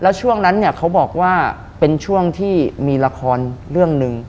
แล้วช่วงนั้นเนี่ยเขาบอกว่าเป็นช่วงที่มีละครเรื่องหนึ่ง